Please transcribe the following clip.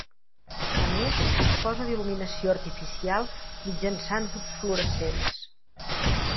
A més, disposa d'il·luminació artificial mitjançant tubs fluorescents.